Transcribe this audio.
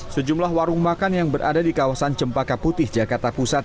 sejumlah warung makan yang berada di kawasan cempaka putih jakarta pusat